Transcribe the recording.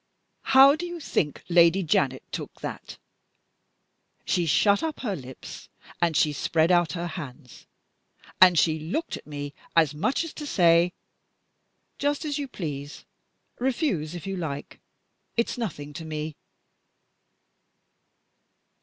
How do you think Lady Janet took that? She shut up her lips, and she spread out her hands, and she looked at me as much as to say, 'Just as you please! Refuse if you like; it's nothing to me!